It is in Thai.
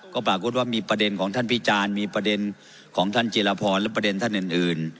ก็ปรากฏว่ามีประเด็นของท่านพิจารณ์มีประเด็นของท่านจิรพรและประเด็นท่านอื่น